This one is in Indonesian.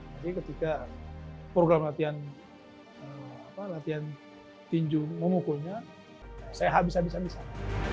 jadi ketika program latihan tinjo memukulnya saya habis habisan